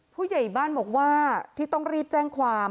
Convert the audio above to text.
ผู้ใหญ่บ้านบอกว่าที่ต้องรีบแจ้งความ